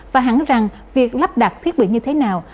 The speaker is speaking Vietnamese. và hẳn rằng việc lắp đặt thiết bị như thế nào